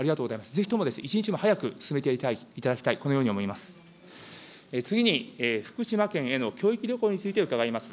ぜひともですね、一日も早く進めていただきたい、このように思います。